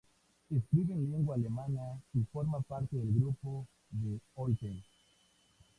Escribe en lengua alemana y forma parte del Grupo de Olten.